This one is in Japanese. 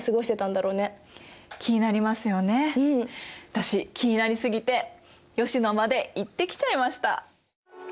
私気になり過ぎて吉野まで行ってきちゃいました。